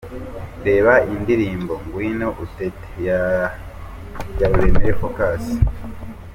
Reba indirimbo ’Ngwino Utete’ ya Ruremire Focus.